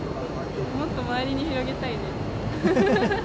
もっと周りに広げたいです。